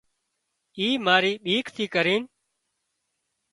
اي ماري ٻيڪ ٿي ڪرينَ